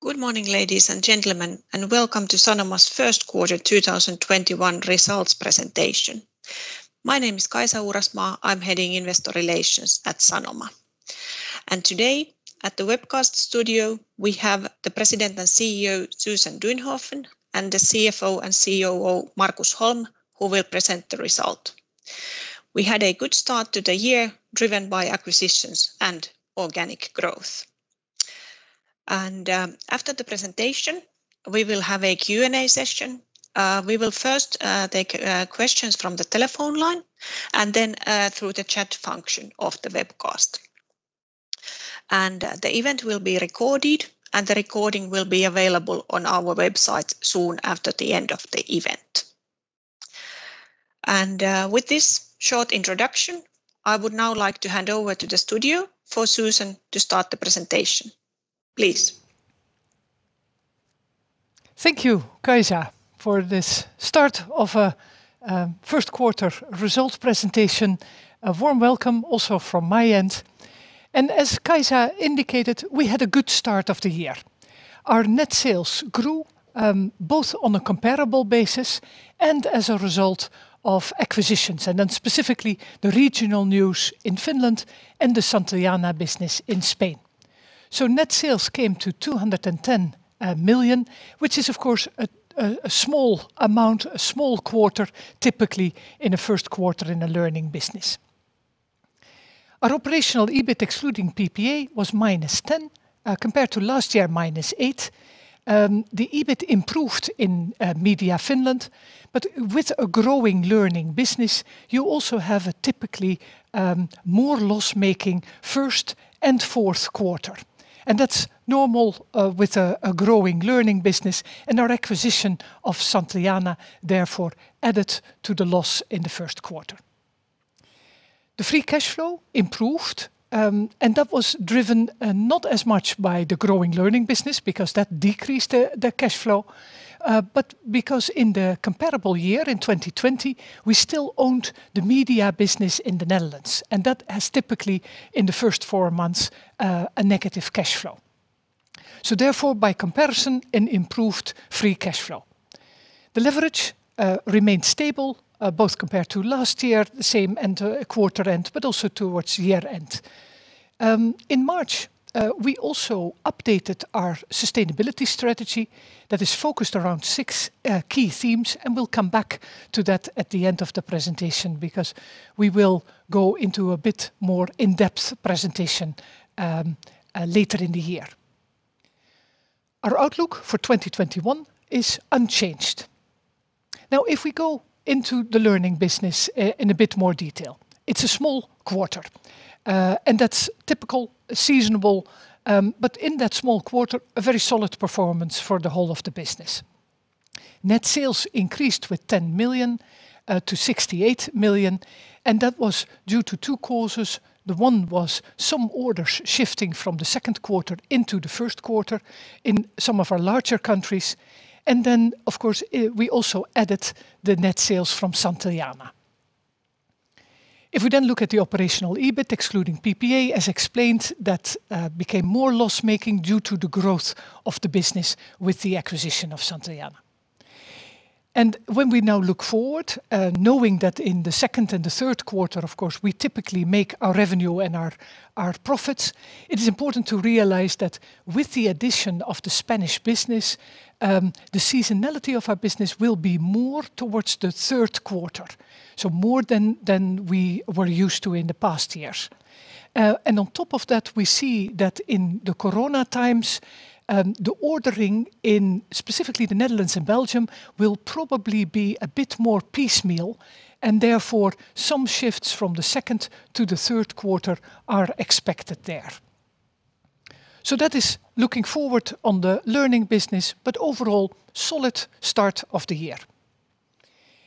Good morning, ladies and gentlemen, welcome to Sanoma's first quarter 2021 results presentation. My name is Kaisa Uurasmaa. I'm heading Investor Relations at Sanoma. Today at the webcast studio, we have the President and CEO, Susan Duinhoven, and the CFO and COO, Markus Holm, who will present the result. We had a good start to the year driven by acquisitions and organic growth. After the presentation, we will have a Q&A session. We will first take questions from the telephone line and then through the chat function of the webcast. The event will be recorded, and the recording will be available on our website soon after the end of the event. With this short introduction, I would now like to hand over to the studio for Susan to start the presentation. Please. Thank you, Kaisa, for this start of our first quarter results presentation. A warm welcome also from my end. As Kaisa indicated, we had a good start of the year. Our net sales grew both on a comparable basis and as a result of acquisitions, and then specifically the regional news in Finland and the Santillana business in Spain. Net sales came to 210 million, which is, of course, a small amount, a small quarter, typically in a first quarter in a learning business. Our operational EBIT excluding PPA was -10 million compared to last year, -8 million. The EBIT improved in Media Finland, with a growing learning business, you also have a typically more loss-making first and fourth quarter. That's normal with a growing learning business, and our acquisition of Santillana therefore added to the loss in the first quarter. The free cash flow improved, that was driven not as much by the growing learning business because that decreased the cash flow, but because in the comparable year in 2020, we still owned the media business in the Netherlands, and that has typically in the first four months a negative cash flow. Therefore, by comparison, an improved free cash flow. The leverage remained stable, both compared to last year, the same quarter end, but also towards year-end. In March, we also updated our sustainability strategy that is focused around six key themes. We'll come back to that at the end of the presentation because we will go into a bit more in-depth presentation later in the year. Our outlook for 2021 is unchanged. If we go into the learning business in a bit more detail, it's a small quarter. That's typical, seasonal. In that small quarter, a very solid performance for the whole of the business. Net sales increased with 10 million to 68 million, that was due to two causes. The one was some orders shifting from the second quarter into the first quarter in some of our larger countries. Then of course, we also added the net sales from Santillana. If we then look at the operational EBIT excluding PPA, as explained, that became more loss-making due to the growth of the business with the acquisition of Santillana. When we now look forward, knowing that in the second and the third quarter, of course, we typically make our revenue and our profits, it is important to realize that with the addition of the Spanish business, the seasonality of our business will be more towards the third quarter, more than we were used to in the past years. On top of that, we see that in the Corona times, the ordering in specifically the Netherlands and Belgium will probably be a bit more piecemeal, and therefore, some shifts from the second to the third quarter are expected there. That is looking forward on the learning business, but overall, solid start of the year.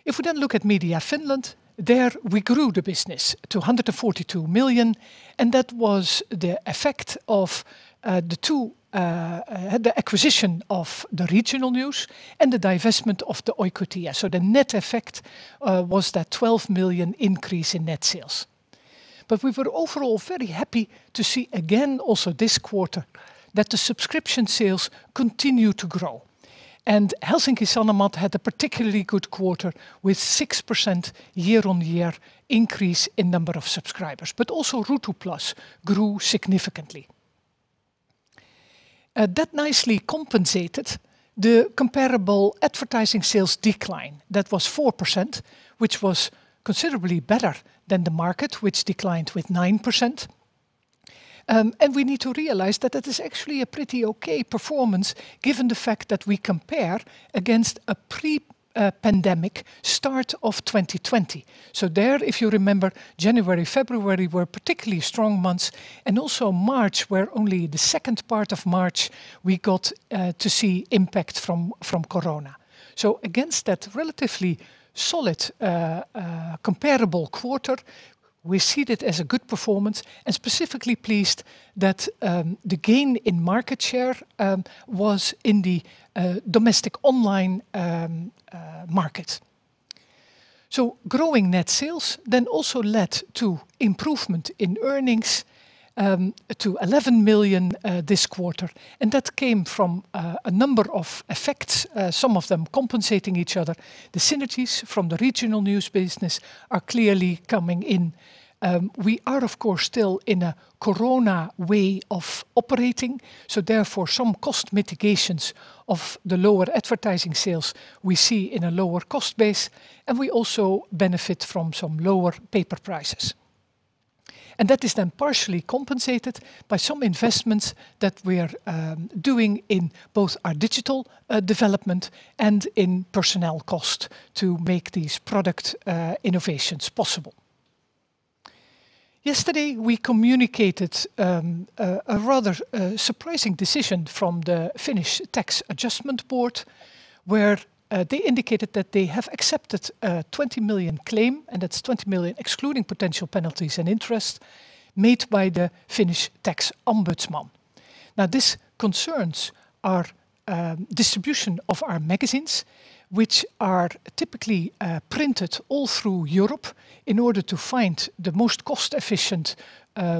We then look at Media Finland, there we grew the business to 142 million, and that was the effect of the two, the acquisition of the regional news and the divestment of the Oikotie. The net effect was that 12 million increase in net sales. We were overall very happy to see again also this quarter that the subscription sales continue to grow. Helsingin Sanomat had a particularly good quarter with 6% year-on-year increase in number of subscribers. Also Ruutu+ grew significantly. That nicely compensated the comparable advertising sales decline. That was 4%, which was considerably better than the market, which declined with 9%. We need to realize that it is actually a pretty okay performance given the fact that we compare against a pre-pandemic start of 2020. There, if you remember, January, February were particularly strong months, and also March, where only the second part of March we got to see impact from corona. Against that relatively solid comparable quarter, we see it as a good performance and specifically pleased that the gain in market share was in the domestic online market. Growing net sales then also led to improvement in earnings to 11 million this quarter, and that came from a number of effects, some of them compensating each other. The synergies from the regional news business are clearly coming in. We are, of course, still in a corona way of operating, so therefore, some cost mitigations of the lower advertising sales we see in a lower cost base, and we also benefit from some lower paper prices. That is then partially compensated by some investments that we are doing in both our digital development and in personnel cost to make these product innovations possible. Yesterday, we communicated a rather surprising decision from the Assessment Adjustment Board, where they indicated that they have accepted a 20 million claim, and that's 20 million excluding potential penalties and interest made by the Finnish tax ombudsman. This concerns our distribution of our magazines, which are typically printed all through Europe in order to find the most cost-efficient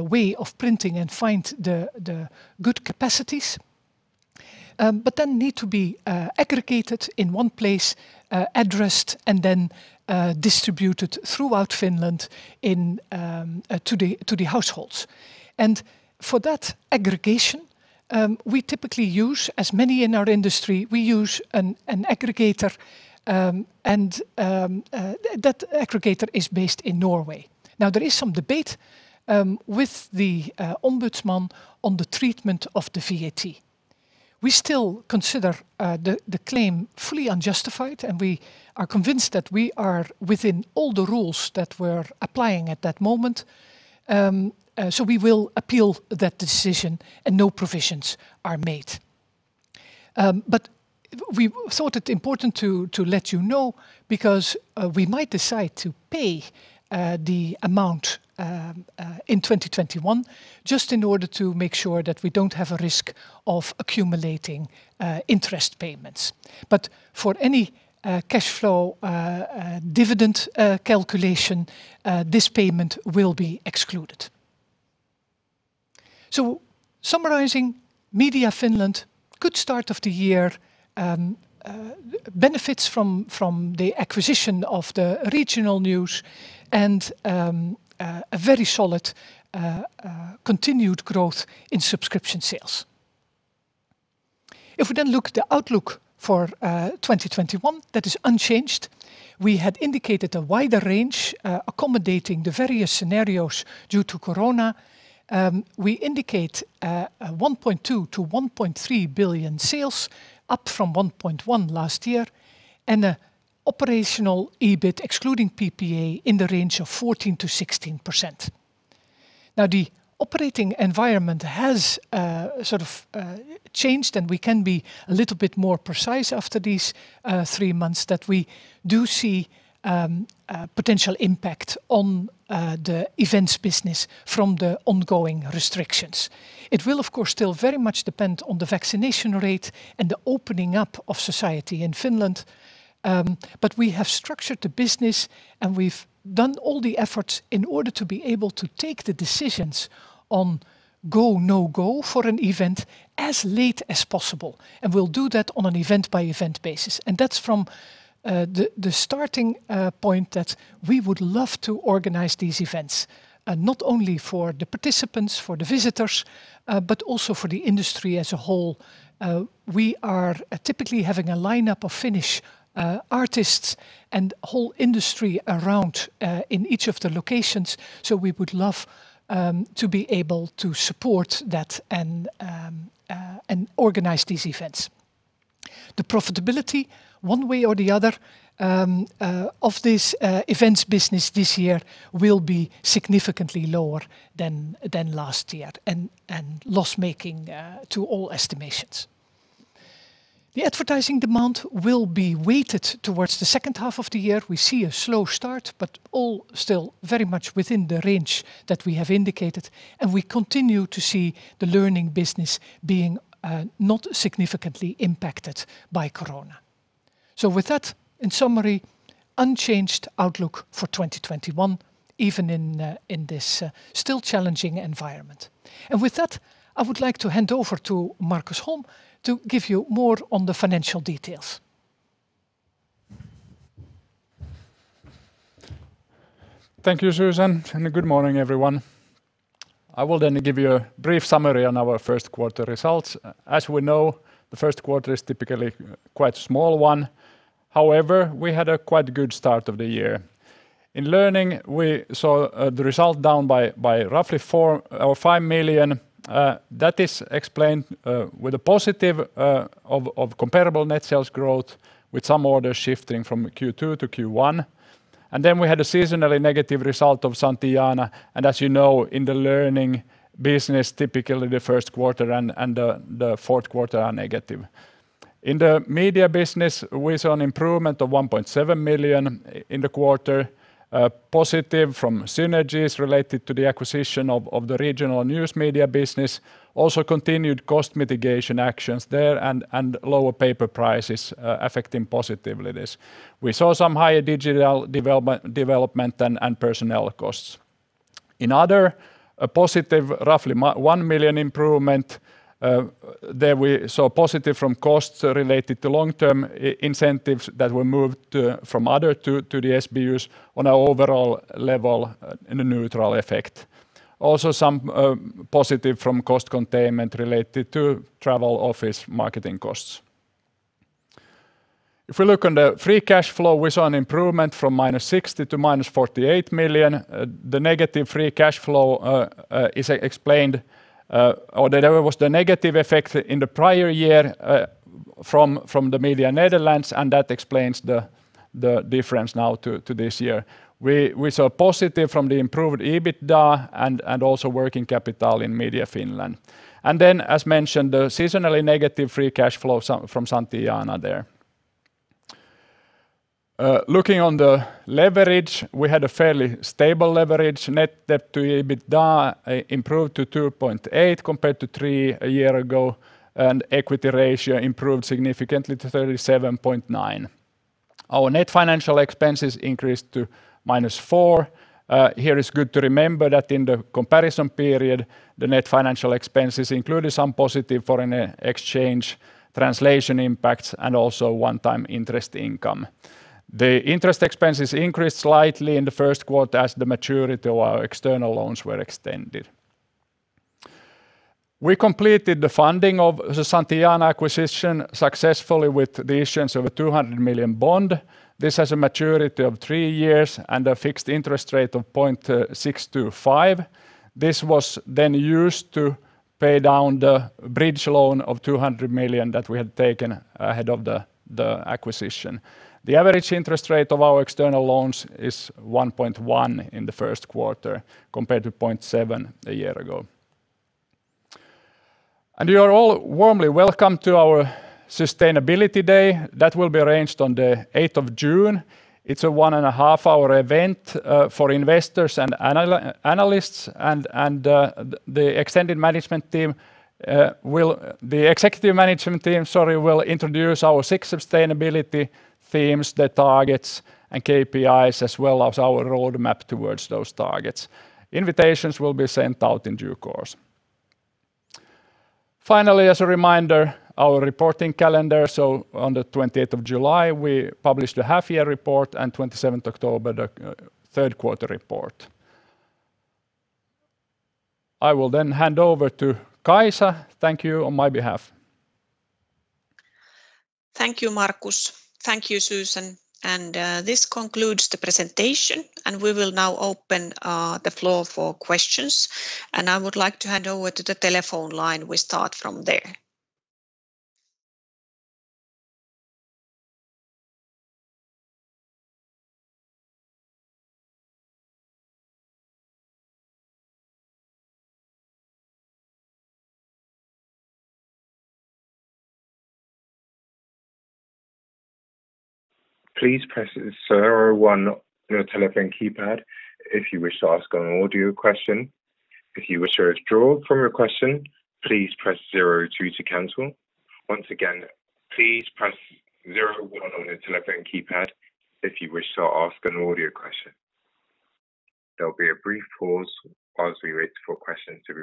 way of printing and find the good capacities. Then need to be aggregated in one place, addressed, and then distributed throughout Finland to the households. For that aggregation, we typically use, as many in our industry, we use an aggregator, and that aggregator is based in Norway. There is some debate with the ombudsman on the treatment of the VAT. We still consider the claim fully unjustified, and we are convinced that we are within all the rules that were applying at that moment. We will appeal that decision, and no provisions are made. We thought it important to let you know because we might decide to pay the amount in 2021, just in order to make sure that we don't have a risk of accumulating interest payments. For any cash flow dividend calculation, this payment will be excluded. Summarizing, Media Finland, good start of the year. Benefits from the acquisition of the regional news and a very solid continued growth in subscription sales. If we look at the outlook for 2021, that is unchanged. We had indicated a wider range accommodating the various scenarios due to corona. We indicate 1.2 billion-1.3 billion sales, up from 1.1 billion last year, and operational EBIT, excluding PPA, in the range of 14%-16%. Now, the operating environment has sort of changed, and we can be a little bit more precise after these three months that we do see potential impact on the events business from the ongoing restrictions. It will, of course, still very much depend on the vaccination rate and the opening up of society in Finland. We have structured the business, and we've done all the efforts in order to be able to take the decisions on go, no go for an event as late as possible, and we'll do that on an event-by-event basis. That's from the starting point that we would love to organize these events, not only for the participants, for the visitors, but also for the industry as a whole. We are typically having a lineup of Finnish artists and whole industry around in each of the locations. We would love to be able to support that and organize these events. The profitability, one way or the other, of this events business this year will be significantly lower than last year and loss-making to all estimations. The advertising demand will be weighted towards the second half of the year. We see a slow start, but all still very much within the range that we have indicated, and we continue to see the learning business being not significantly impacted by corona. With that, in summary, unchanged outlook for 2021, even in this still challenging environment. With that, I would like to hand over to Markus Holm to give you more on the financial details. Thank you, Susan, and good morning, everyone. I will give you a brief summary on our first quarter results. As we know, the first quarter is typically quite a small one. However, we had a quite good start of the year. In learning, we saw the result down by roughly 4 or 5 million. That is explained with a positive of comparable net sales growth, with some orders shifting from Q2-Q1. We had a seasonally negative result of Santillana. As you know, in the learning business, typically, the first quarter and the fourth quarter are negative. In the media business, we saw an improvement of 1.7 million in the quarter. Positive from synergies related to the acquisition of the regional news media business, also continued cost mitigation actions there and lower paper prices affecting positively this. We saw some higher digital development and personnel costs. In other positive, roughly 1 million improvement. There we saw positive from costs related to long-term incentives that were moved from other to the SBUs on an overall level in a neutral effect. Also, some positive from cost containment related to travel office marketing costs. If we look on the free cash flow, we saw an improvement from -60 million to -48 million. The negative free cash flow is explained or there was the negative effect in the prior year from the Media Netherlands and that explains the difference now to this year. We saw positive from the improved EBITDA and also working capital in Media Finland. Then as mentioned, the seasonally negative free cash flow from Santillana there. Looking on the leverage, we had a fairly stable leverage. Net debt to EBITDA improved to 2.8 compared to three a year ago. Equity ratio improved significantly to 37.9. Our net financial expenses increased to -4. Here is good to remember that in the comparison period, the net financial expenses included some positive foreign exchange translation impacts and also one-time interest income. The interest expenses increased slightly in the first quarter as the maturity of our external loans were extended. We completed the funding of the Santillana acquisition successfully with the issuance of a 200 million bond. This has a maturity of three years and a fixed interest rate of 0.625. This was used to pay down the bridge loan of 200 million that we had taken ahead of the acquisition. The average interest rate of our external loans is 1.1 in the first quarter compared to 0.7 a year ago. You are all warmly welcome to our Sustainability Day. That will be arranged on the 8th of June. It's a one-and-a-half-hour event for investors and analysts. The executive management team, sorry, will introduce our six sustainability themes, the targets, and KPIs as well as our roadmap towards those targets. Invitations will be sent out in due course. Finally, as a reminder, our reporting calendar. On the 20th of July, we published a half-year report, and 27th October, the third-quarter report. I will hand over to Kaisa. Thank you on my behalf. Thank you, Markus. Thank you, Susan. This concludes the presentation, and we will now open the floor for questions. I would like to hand over to the telephone line. We start from there. Please press zero or one on your telephone keypad if you wish to ask an audio question. If you wish to withdraw from your question, please press zero two to cancel. Once again, please press zero one on your telephone keypad if you wish to ask an audio question. There will be a brief pause while we wait for questions to be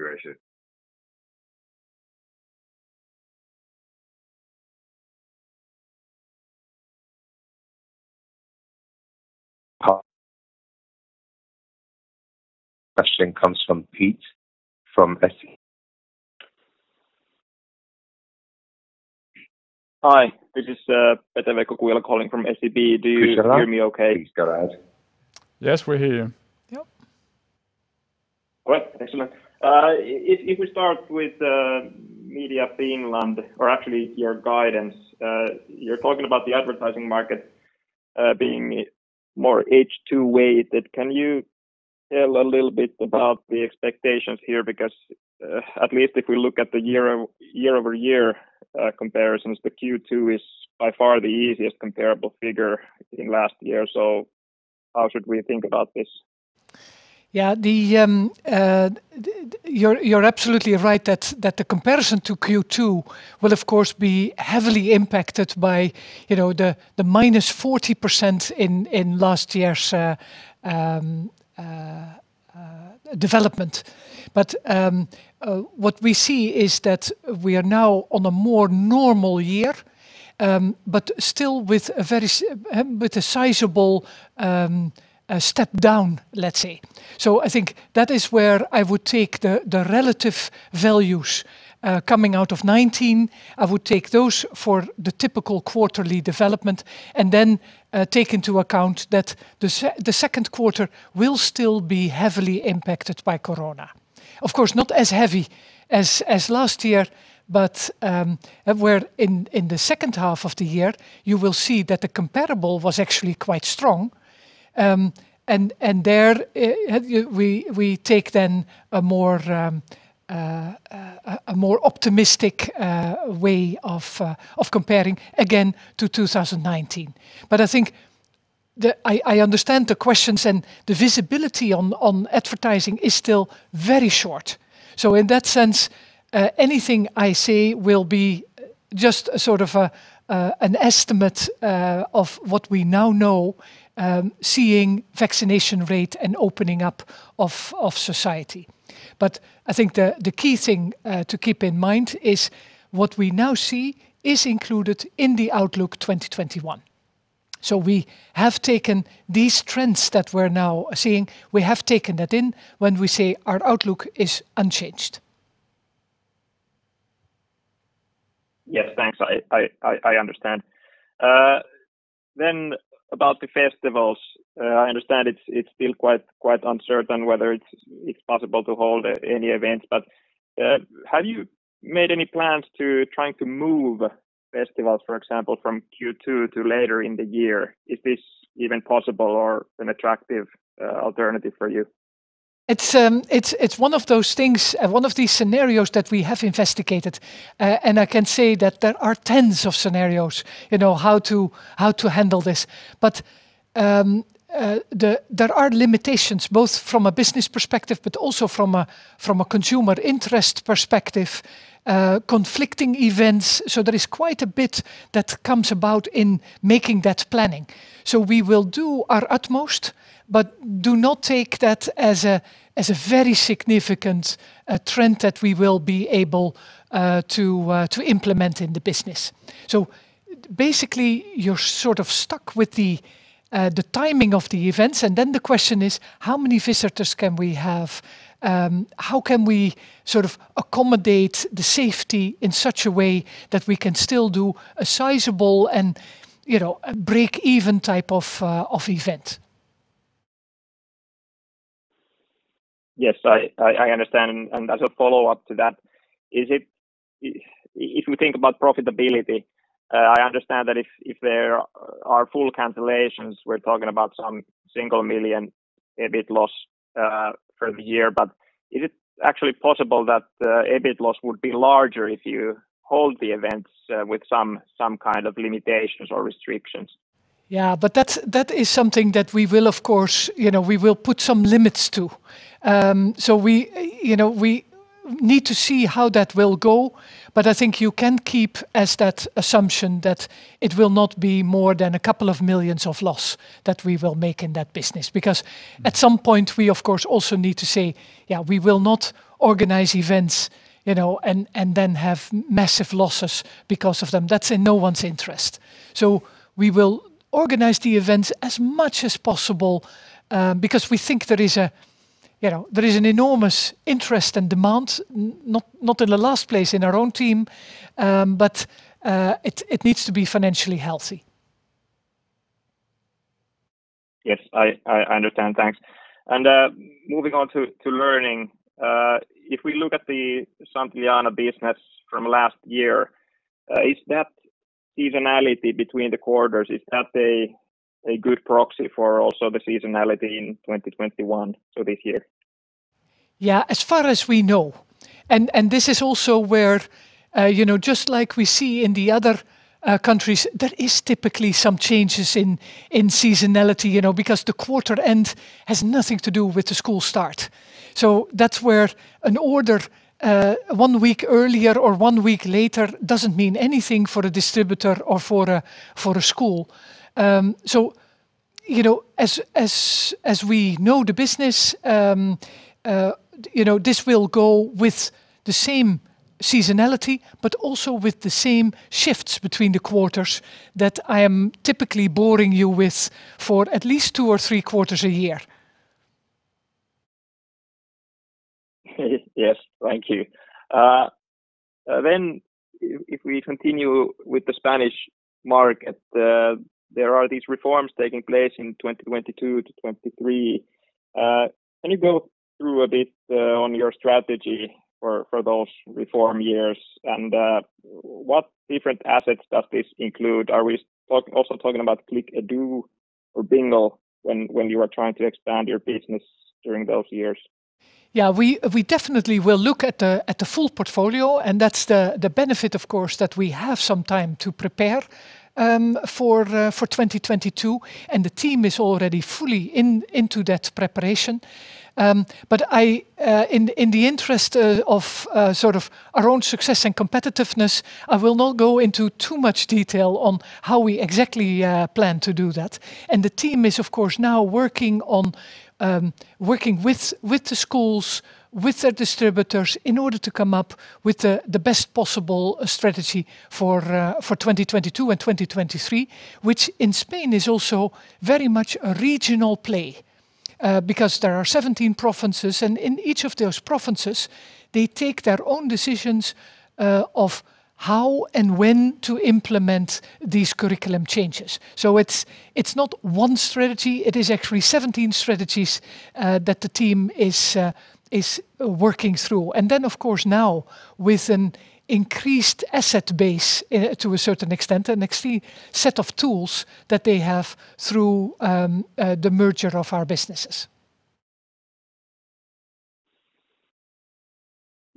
raised. Question comes from Pete from SEB. Hi. This is Pete-Veikko calling from SEB. Please go ahead Hear me okay? Please go ahead. Yes, we hear you. All right. Excellent. If we start with Media Finland or actually your guidance, you're talking about the advertising market being more H2 weighted. Can you tell a little bit about the expectations here? At least if we look at the year-over-year comparisons, the Q2 is by far the easiest comparable figure in last year. How should we think about this? Yeah. You're absolutely right that the comparison to Q2 will, of course, be heavily impacted by the -40% in last year's development. What we see is that we are now on a more normal year but still with a sizable step down, let's say. I think that is where I would take the relative values coming out of 2019. I would take those for the typical quarterly development and then take into account that the second quarter will still be heavily impacted by corona. Of course, not as heavy as last year, but where in the second half of the year, you will see that the comparable was actually quite strong. There we take then a more optimistic way of comparing again to 2019. I think I understand the questions and the visibility on advertising is still very short. In that sense, anything I say will be. Just an estimate of what we now know, seeing vaccination rate and opening up of society. I think the key thing to keep in mind is what we now see is included in the Outlook 2021. We have taken these trends that we're now seeing, we have taken that in when we say our outlook is unchanged. Yes, thanks. I understand. About the festivals, I understand it's still quite uncertain whether it's possible to hold any events, but have you made any plans to trying to move festivals, for example, from Q2 to later in the year? Is this even possible or an attractive alternative for you? It's one of those things, one of these scenarios that we have investigated. I can say that there are tens of scenarios, how to handle this. There are limitations, both from a business perspective, but also from a consumer interest perspective, conflicting events. There is quite a bit that comes about in making that planning. We will do our utmost, but do not take that as a very significant trend that we will be able to implement in the business. Basically, you're sort of stuck with the timing of the events, and then the question is, how many visitors can we have? How can we accommodate the safety in such a way that we can still do a sizable and breakeven type of event? Yes, I understand. As a follow-up to that, if we think about profitability, I understand that if there are full cancellations, we're talking about some single million EUR EBIT loss for the year, but is it actually possible that the EBIT loss would be larger if you hold the events with some kind of limitations or restrictions? But that is something that we will, of course, put some limits to. We need to see how that will go, but I think you can keep as that assumption that it will not be more than a couple of million of loss that we will make in that business. Because at some point, we, of course, also need to say, yeah, we will not organize events, and then have massive losses because of them. That's in no one's interest. We will organize the events as much as possible, because we think there is an enormous interest and demand, not in the last place in our own team, but it needs to be financially healthy. Yes, I understand. Thanks. Moving on to learning. If we look at the Santillana business from last year, is that seasonality between the quarters, is that a good proxy for also the seasonality in 2021, so this year? Yeah, as far as we know. This is also where, just like we see in the other countries, there is typically some changes in seasonality, because the quarter end has nothing to do with the school start. That's where an order one week earlier or one week later doesn't mean anything for a distributor or for a school. As we know the business, this will go with the same seasonality, but also with the same shifts between the quarters that I am typically boring you with for at least two or three quarters a year. Yes. Thank you. If we continue with the Spanish market, there are these reforms taking place in 2022-2023. Can you go through a bit on your strategy for those reform years? What different assets does this include? Are we also talking about ClickEdu or Bingel when you are trying to expand your business during those years? Yeah, we definitely will look at the full portfolio. That's the benefit, of course, that we have some time to prepare for 2022. The team is already fully into that preparation. In the interest of our own success and competitiveness, I will not go into too much detail on how we exactly plan to do that. The team is, of course, now working with the schools, with their distributors in order to come up with the best possible strategy for 2022 and 2023, which in Spain is also very much a regional play. There are 17 provinces. In each of those provinces, they take their own decisions of how and when to implement these curriculum changes. It's not one strategy, it is actually 17 strategies that the team is working through. Of course, now with an increased asset base to a certain extent, an extra set of tools that they have through the merger of our businesses.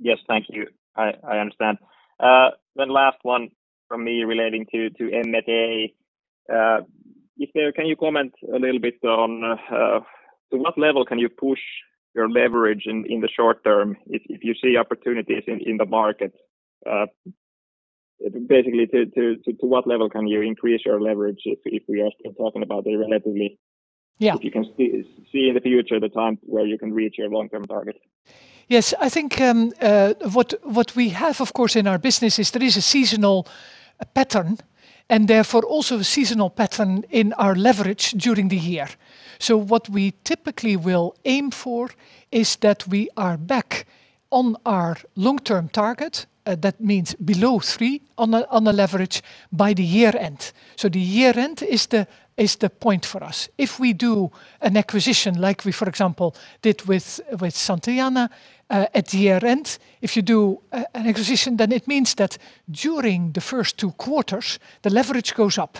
Yes. Thank you. I understand. Last one from me relating to M&A. If there, can you comment a little bit on to what level can you push your leverage in the short term if you see opportunities in the market? To what level can you increase your leverage if we are talking about a relatively. Yeah. If you can see in the future the time where you can reach your long-term target. Yes, I think what we have, of course, in our business is there is a seasonal pattern, and therefore, also a seasonal pattern in our leverage during the year. What we typically will aim for is that we are back on our long-term target. That means below three on the leverage by the year-end. The year-end is the point for us. If we do an acquisition like we, for example, did with Santillana at year-end, if you do an acquisition, it means that during the first two quarters, the leverage goes up.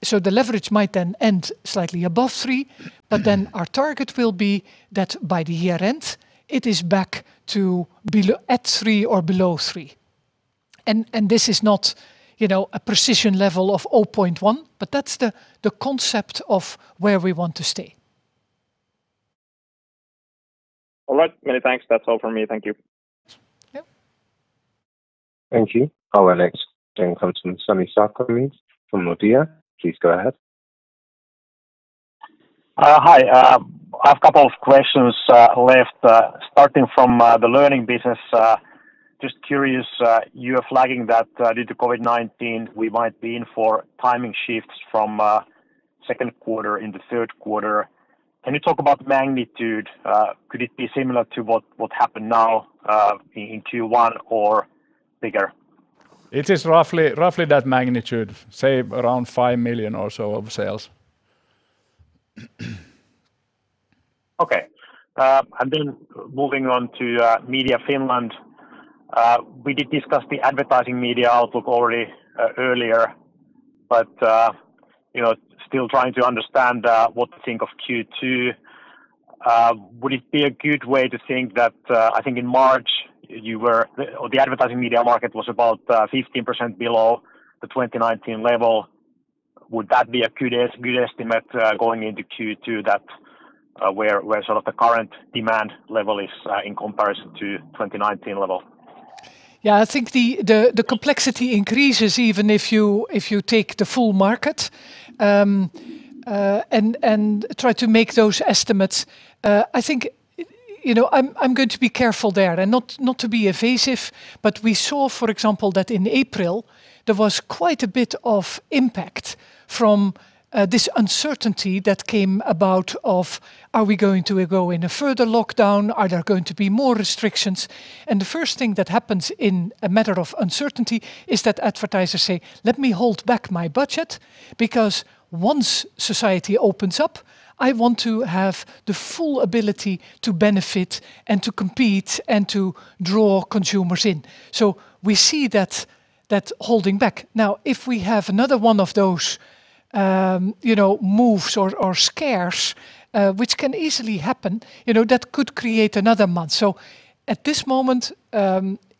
The leverage might then end slightly above three, our target will be that by the year-end, it is back to at three or below three. This is not a precision level of 0.1, but that's the concept of where we want to stay. All right. Many thanks. That's all from me. Thank you. Yeah. Thank you. Our next comes from Sami Sarkamies from Nordea. Please go ahead. Hi. I have a couple of questions left, starting from the learning business. Just curious, you are flagging that due to COVID-19, we might be in for timing shifts from second quarter into third quarter. Can you talk about magnitude? Could it be similar to what happened now in Q1 or bigger? It is roughly that magnitude, say, around 5 million or so of sales. Okay. Moving on to Media Finland. We did discuss the advertising media outlook already earlier, but still trying to understand what to think of Q2. Would it be a good way to think that, I think in March, the advertising media market was about 15% below the 2019 level. Would that be a good estimate going into Q2, that where sort of the current demand level is in comparison to 2019 level? Yeah, I think the complexity increases even if you take the full market and try to make those estimates. I think I'm going to be careful there, and not to be evasive, but we saw, for example, that in April, there was quite a bit of impact from this uncertainty that came about of, are we going to go in a further lockdown? Are there going to be more restrictions? The first thing that happens in a matter of uncertainty is that advertisers say, "Let me hold back my budget, because once society opens up, I want to have the full ability to benefit and to compete and to draw consumers in." We see that holding back. Now, if we have another one of those moves or scares, which can easily happen, that could create another month. At this moment,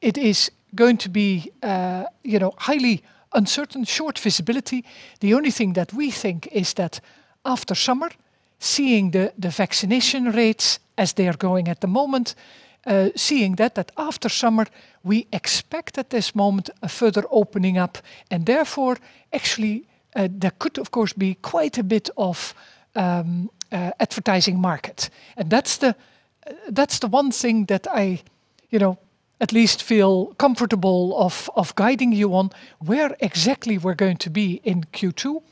it is going to be highly uncertain, short visibility. The only thing that we think is that after summer, seeing the vaccination rates as they are going at the moment, seeing that after summer, we expect at this moment a further opening up, and therefore, actually, there could, of course, be quite a bit of advertising market. That's the one thing that I at least feel comfortable of guiding you on. Where exactly we're going to be in Q2,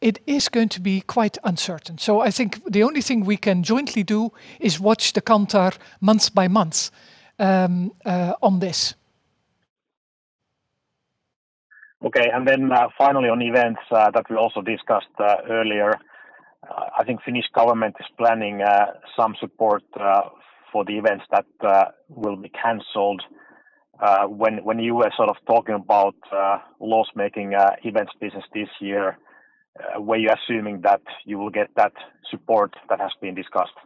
it is going to be quite uncertain. I think the only thing we can jointly do is watch the counter month by month on this. Okay. Finally on events that we also discussed earlier. I think Finnish government is planning some support for the events that will be canceled. When you were sort of talking about loss-making events business this year, were you assuming that you will get that support that has been discussed?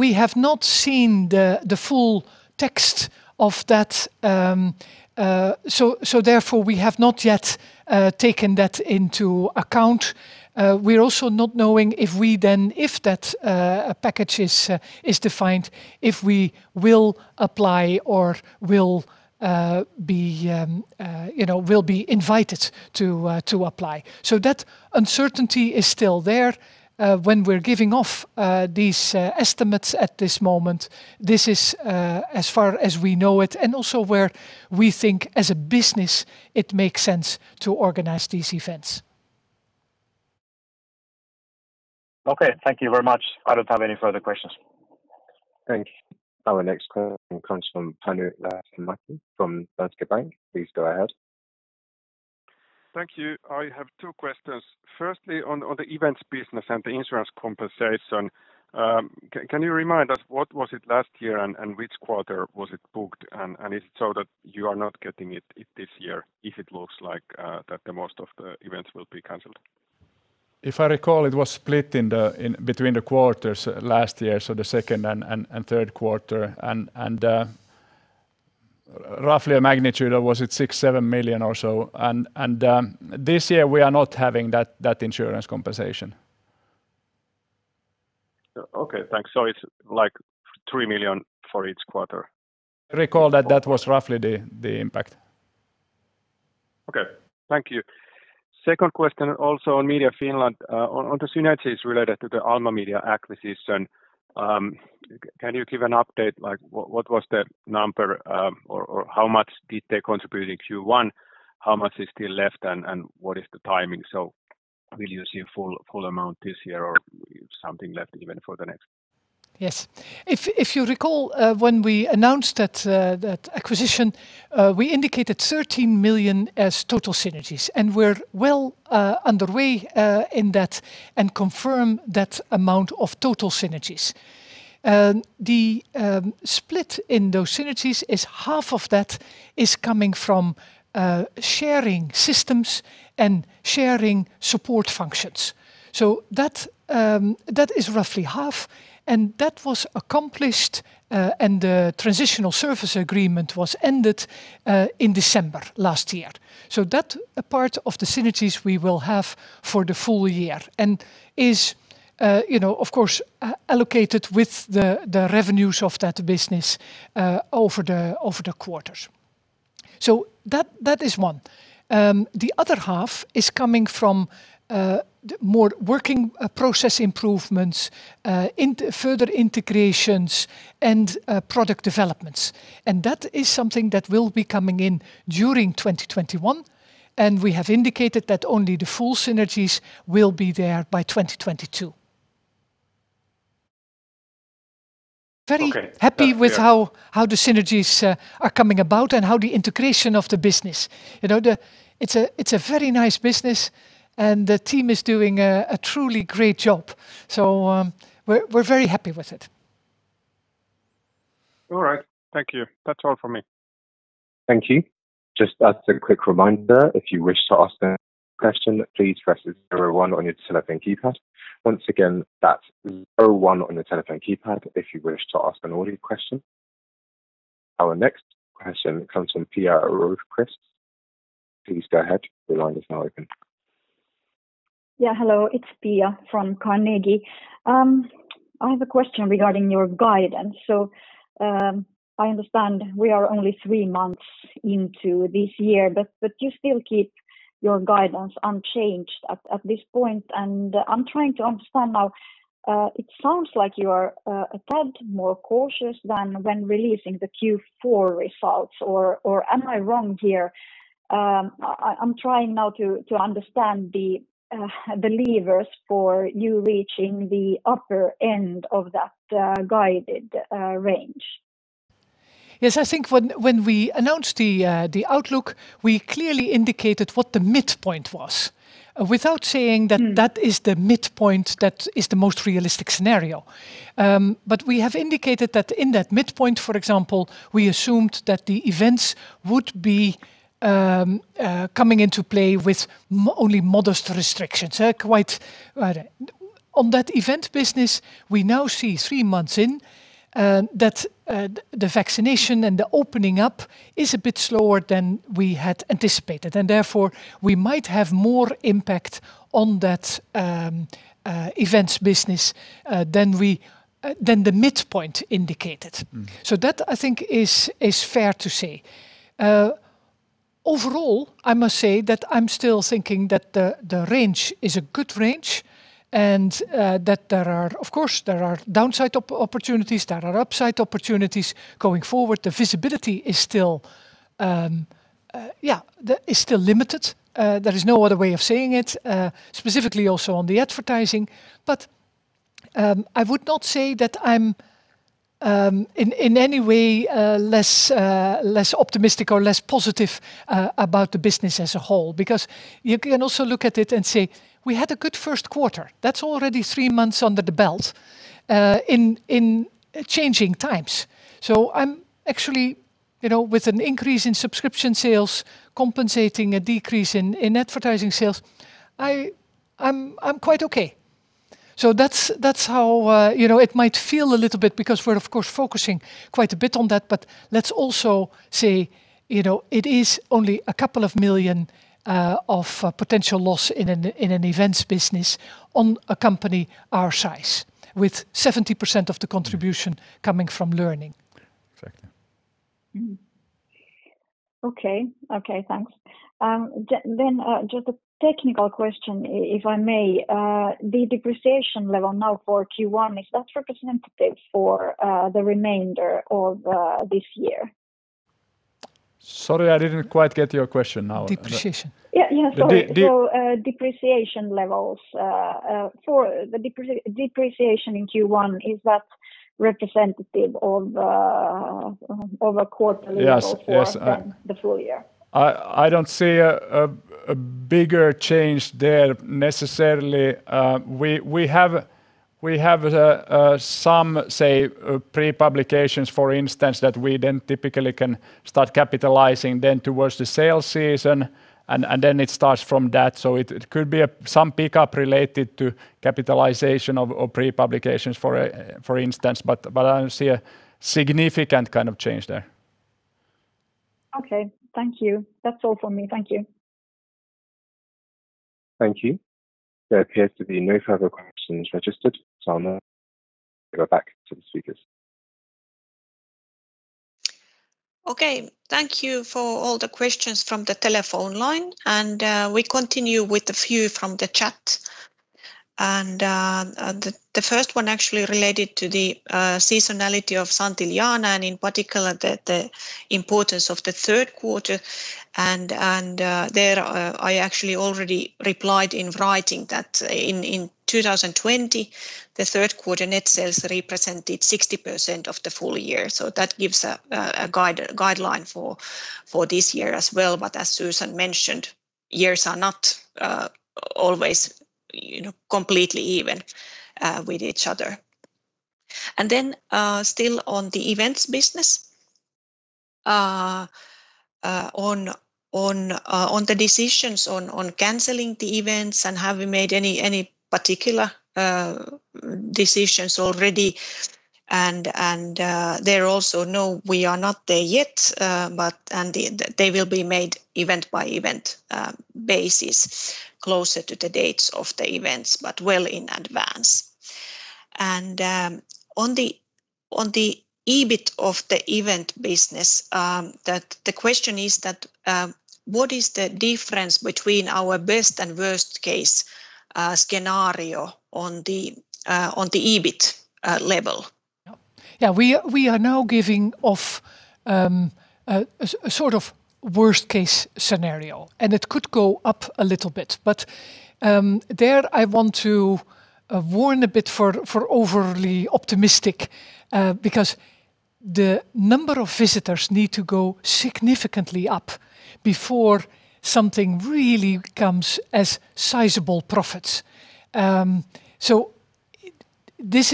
We have not seen the full text of that, therefore, we have not yet taken that into account. We're also not knowing if we then, if that package is defined, if we will apply or will be invited to apply. That uncertainty is still there. When we're giving off these estimates at this moment, this is as far as we know it and also where we think as a business it makes sense to organize these events. Okay. Thank you very much. I don't have any further questions. Thank you. Our next call comes from Panu Laitinmäki from Danske Bank. Please go ahead. Thank you. I have two questions. On the events business and the insurance compensation, can you remind us what was it last year, and which quarter was it booked? Is it so that you are not getting it this year if it looks like that the most of the events will be canceled? If I recall, it was split between the quarters last year, so the second and third quarter. Roughly a magnitude of was it 6, 7 million or so. This year we are not having that insurance compensation. Okay, thanks. It's like 3 million for each quarter. I recall that that was roughly the impact. Okay, thank you. Second question also on Media Finland, on the synergies related to the Alma Media acquisition. Can you give an update, like what was the number? How much did they contribute in Q1? How much is still left, and what is the timing? Will you see full amount this year or something left even for the next? Yes. If you recall, when we announced that acquisition, we indicated 13 million as total synergies, and we're well underway in that and confirm that amount of total synergies. The split in those synergies is half of that is coming from sharing systems and sharing support functions. That is roughly half, and that was accomplished, and the transitional service agreement was ended in December last year. That part of the synergies we will have for the full year and is of course allocated with the revenues of that business over the quarters. That is one. The other half is coming from more working process improvements, further integrations, and product developments. That is something that will be coming in during 2021. We have indicated that only the full synergies will be there by 2022. Okay. Very happy with how the synergies are coming about and how the integration of the business. It's a very nice business, and the team is doing a truly great job. We're very happy with it. All right. Thank you. That's all from me. Thank you. Just as a quick reminder, if you wish to ask a question, please press zero one on your telephone keypad. Once again, that's zero one on your telephone keypad if you wish to ask an audio question. Our next question comes from Pia Rosqvist. Please go ahead. The line is now open. Yeah, hello. It's Pia from Carnegie. I have a question regarding your guidance. I understand we are only three months into this year, but you still keep your guidance unchanged at this point. I'm trying to understand now, it sounds like you are a tad more cautious than when releasing the Q4 results, or am I wrong here? I'm trying now to understand the levers for you reaching the upper end of that guided range. Yes, I think when we announced the outlook, we clearly indicated what the midpoint was without saying that that is the midpoint that is the most realistic scenario. We have indicated that in that midpoint, for example, we assumed that the events would be coming into play with only modest restrictions. On that event business, we now see three months in that the vaccination and the opening up is a bit slower than we had anticipated. Therefore, we might have more impact on that events business than the midpoint indicated. That I think is fair to say. Overall, I must say that I'm still thinking that the range is a good range and that of course, there are downside opportunities, there are upside opportunities going forward. The visibility is still limited. There is no other way of saying it, specifically also on the advertising. I would not say that I'm in any way less optimistic or less positive about the business as a whole, because you can also look at it and say we had a good first quarter. That's already three months under the belt in changing times. I'm actually with an increase in subscription sales compensating a decrease in advertising sales. I'm quite okay. That's how it might feel a little bit because we're of course focusing quite a bit on that, but let's also say it is only a couple of million EUR of potential loss in an events business on a company our size with 70% of the contribution coming from learning. Exactly. Okay. Thanks. Just a technical question, if I may. The depreciation level now for Q1, is that representative for the remainder of this year? Sorry, I didn't quite get your question now. Depreciation. Sorry. Depreciation levels. For the depreciation in Q1, is that representative of a quarterly- Yes. Or for the full year? I don't see a bigger change there necessarily. We have some, say, pre-publications, for instance, that we then typically can start capitalizing then towards the sale season. It starts from that. It could be some pickup related to capitalization of pre-publications, for instance, but I don't see a significant kind of change there. Okay. Thank you. That's all from me. Thank you. Thank you. There appears to be no further questions registered. I'm going to go back to the speakers. Okay. Thank you for all the questions from the telephone line. We continue with a few from the chat. The first one actually related to the seasonality of Santillana. In particular, the importance of the third quarter. There, I actually already replied in writing that in 2020, the third quarter net sales represented 60% of the full year. That gives a guideline for this year as well. As Susan mentioned, years are not always completely even with each other. Still on the events business, on the decisions on canceling the events and have we made any particular decisions already? There also, no, we are not there yet. They will be made event-by-event basis closer to the dates of the events, but well in advance. On the EBIT of the event business, the question is: What is the difference between our best and worst case scenario on the EBIT level? We are now giving off a sort of worst case scenario, and it could go up a little bit. There I want to warn a bit for overly optimistic, because the number of visitors need to go significantly up before something really comes as sizable profits. This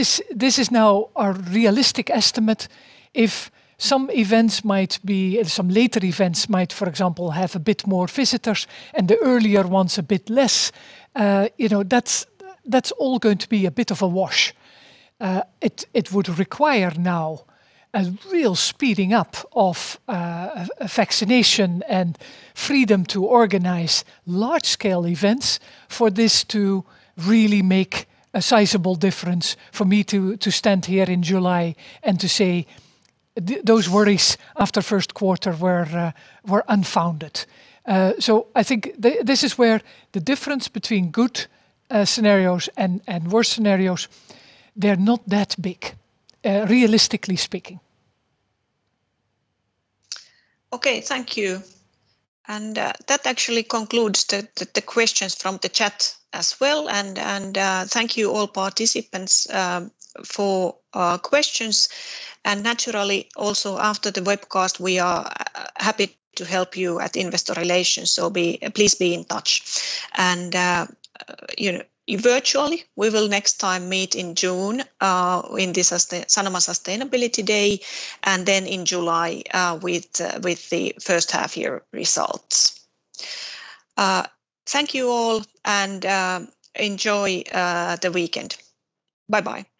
is now our realistic estimate. If some later events might, for example, have a bit more visitors and the earlier ones a bit less, that's all going to be a bit of a wash. It would require now a real speeding up of vaccination and freedom to organize large-scale events for this to really make a sizable difference for me to stand here in July and to say those worries after first quarter were unfounded. I think this is where the difference between good scenarios and worse scenarios, they're not that big realistically speaking. Okay. Thank you. That actually concludes the questions from the chat as well. Thank you all participants for questions. Naturally, also after the webcast, we are happy to help you at Investor Relations, so please be in touch. Virtually, we will next time meet in June in the Sanoma Sustainability Day, then in July with the first half-year results. Thank you all, and enjoy the weekend. Bye-bye. Thank you.